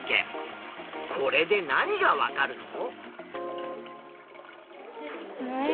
これで何がわかるの？